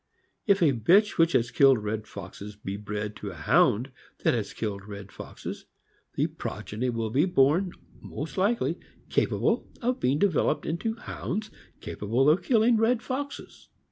If a bitch which has killed red foxes be bred to a Hound that has killed red foxes, the progeny will be born, most likely, capable of being developed into Hounds capable of killing red foxes.